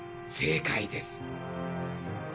正解です。